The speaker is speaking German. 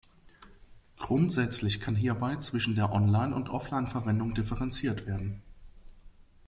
Grundsätzlich kann hierbei zwischen der Online und Offline Verwendung differenziert werden.